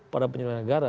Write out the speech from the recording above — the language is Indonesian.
para penyelenggara negara